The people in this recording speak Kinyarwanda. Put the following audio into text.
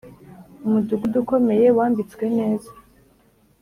Umudugudu ukomeye wambitswe neza